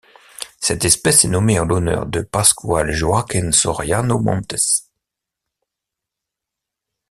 Cette espèce est nommée en l'honneur de Pascual Joaquín Soriano Montes.